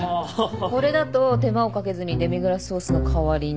これだと手間をかけずにデミグラスソースの代わりに。